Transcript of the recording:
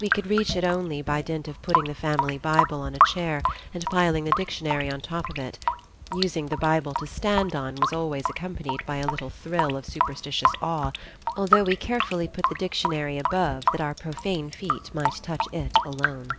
We could reach it only by dint of putting the family Bible on a chair and piling the dictionary on top of it; using the Bible to stand on was always accompanied by a little thrill of superstitious awe, although we carefully put the dictionary above that our profane feet might touch it alone.